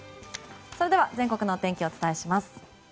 それでは、全国の天気をお伝えします。